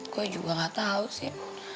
gue juga gak tahu sih